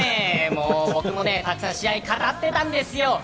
僕もたくさん試合語ってたんですよ。